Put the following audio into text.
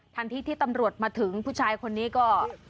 ทันทีที่ตำรวจมาถึงผู้ชายคนนี้ก็